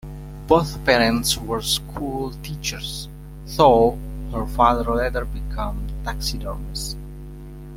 Both parents were school teachers, though her father later became a taxidermist.